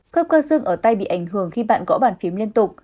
cơ cơ xương ở tay bị ảnh hưởng khi bạn gõ bàn phím liên tục